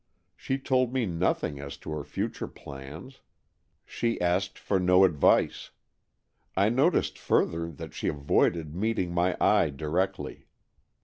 She told me nothing as to her future plans. She asked for no advice. I noticed further that she avoided meeting my eye directly.